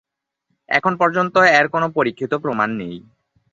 এখন পর্যন্ত এর কোন পরীক্ষিত প্রমাণ নেই।